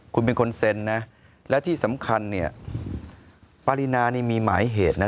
คุณเป็นคนเซ็นนะและที่สำคัญเนี่ยปรินานี่มีหมายเหตุนะ